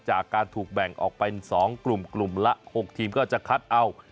จากการถูกแบ่งออกเป็น๒กลุ่มกลุ่มละ๖ทีมก็จะคัดเอา